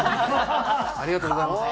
ありがとうございます。